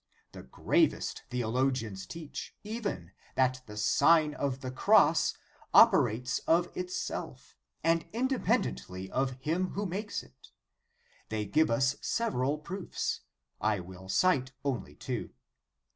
The gravest theologians teach even that the Sign of the Cross operates of itself, and indepen dently of him who makes it. They give us several proofs : I will cite only two.